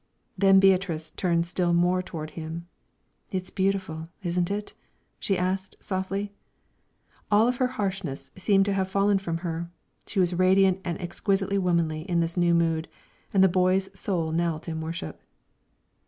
Then Beatrice turned still more toward him. "It's beautiful, isn't it?" she asked, softly. All of her harshness seemed to have fallen from her; she was radiant and exquisitely womanly in this new mood, and the boy's soul knelt in worship.